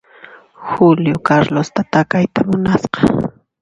Julio Carlosta takayta munasqa.